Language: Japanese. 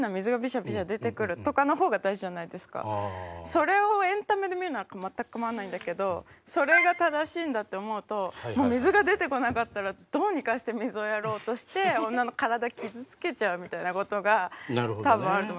それをエンタメで見るのは全く構わないんだけどそれが正しいんだって思うともう水が出てこなかったらどうにかして水をやろうとして女の体傷つけちゃうみたいなことが多分あると思います。